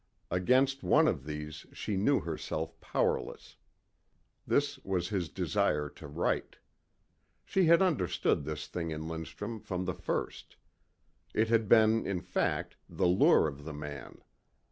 Against one of these she knew herself powerless. This was his desire to write. She had understood this thing in Lindstrum from the first. It had been, in fact, the lure of the man.